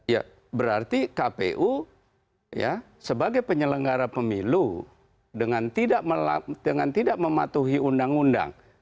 ya berarti kpu ya sebagai penyelenggara pemilu dengan tidak mematuhi undang undang